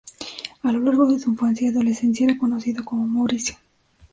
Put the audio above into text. A lo largo de su infancia y adolescencia era conocido como Mauricio.